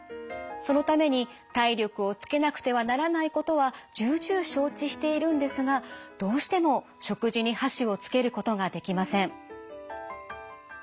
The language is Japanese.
そのために体力をつけなくてはならないことは重々承知しているんですがどうしても食事に箸をつけることができません。